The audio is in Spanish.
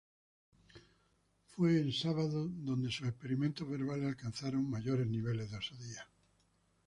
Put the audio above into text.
Fue en "Sábado" donde sus experimentos verbales alcanzaron mayores niveles de osadía.